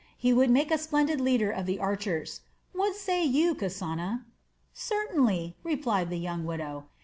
He would make a splendid leader of the archers. What say you, Kasana?" "Certainly," replied the young widow.